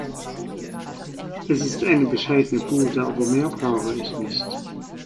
Es ist eine bescheidene Bude, aber mehr brauche ich nicht.